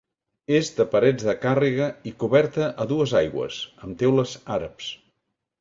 És de parets de càrrega i coberta a dues aigües, amb teules àrabs.